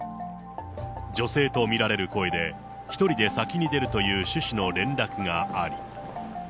女性と見られる声で、１人で先に出るという趣旨の連絡があり。